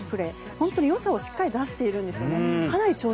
本当によさをしっかり出しているんですよね。